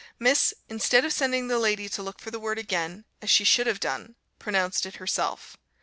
Miss , instead of sending the lady to look for the word again, as she should have done, pronounced it herself.